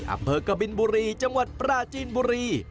อำเภอกบินบุรีจังหวัดปราจีนบุรี